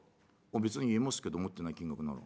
「別に言えますけど思ってない金額なら。